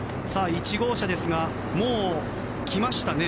１号車ですが、もう来ましたね。